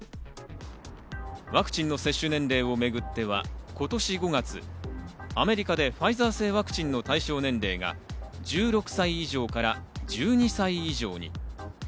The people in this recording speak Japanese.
ワクチンの接種年齢をめぐっては今年５月、アメリカでファイザー製ワクチンの対象年齢が１６歳以上から１２歳以上に。